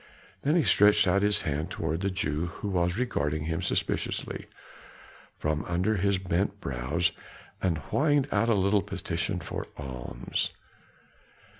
Then he stretched out his hand toward the Jew who was regarding him suspiciously from under his bent brows, and whined out a petition for alms.